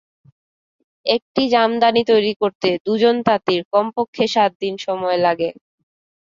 একটি জামদানি তৈরি করতে দুজন তাঁতির কমপক্ষে সাত দিন সময় লাগে।